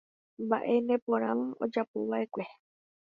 Mba'e neporãva ojapova'ekue.